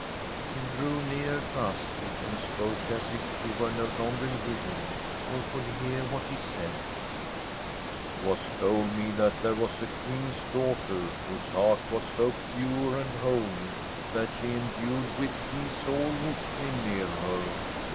He drew nearer to Astrid, and spoke as if she were no longer living or could hear what he said. ' It was told me that there was a King's daughter whose heart was so pure and holy that she endued with peace all who came near her.